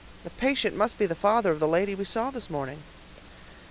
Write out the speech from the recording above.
The patient must be the father of the lady we saw this morning."